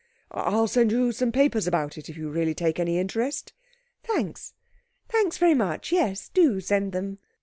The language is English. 'I'll send you some papers about it, if you really take any interest.' 'Thanks. Thanks, very much. Yes, do send them.'